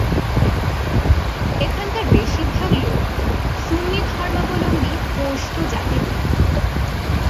এখানকার বেশির ভাগ লোক সুন্নি ধর্মাবলম্বী পশতু জাতির লোক।